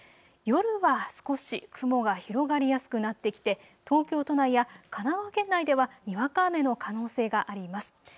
夜は少し雲が広がりやすくなってきて東京都内や神奈川県内ではにわか雨の可能性があります。